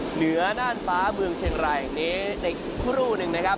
เหนือน่านฟ้าเมืองเชียงรายแห่งนี้อีกครู่หนึ่งนะครับ